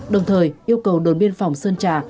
đồng thời yêu cầu đồn biên phòng sơn trà